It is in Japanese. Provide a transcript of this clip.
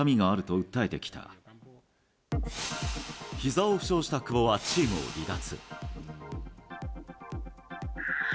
ひざを負傷した久保はチームを離脱。